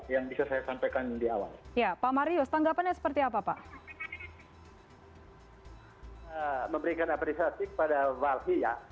saya sampaikan di awal ya pak marius tanggapannya seperti apa pak memberikan apresiasi kepada valhya